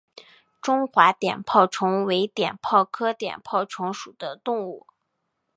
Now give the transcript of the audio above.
中华碘泡虫为碘泡科碘泡虫属的动物。